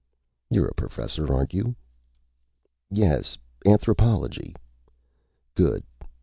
"You're a professor, aren't you?" "Yes. Anthropology." "Good.